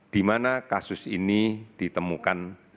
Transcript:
di mana kasus ini ditemukan